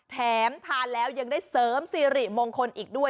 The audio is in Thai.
แถมทานแล้วยังได้เสริมสิริมงคลอีกด้วย